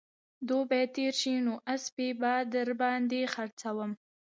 دوبى تېر شي نو اسپې به در باندې خرڅوم